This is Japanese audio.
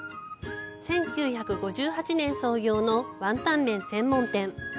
１９５８年創業のワンタン麺専門店。